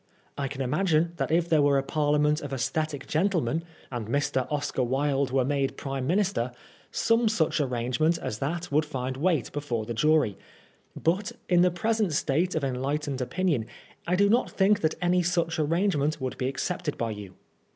I can ima^e that if there were a parliament of aesthetic gentlemen, and Mr. Oscar Wilde were made Prime Minister, some such arrangement as that would find weight before the jury; but, in the present state of enlightened opinion, I do not think that any such arrangement would be accepted by you.